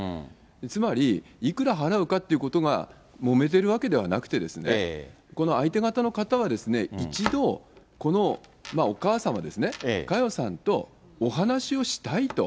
つまりいくら払うかっていうことがもめてるわけではなくてですね、この相手方の方は、一度、このお母様ですね、佳代さんとお話をしたいと。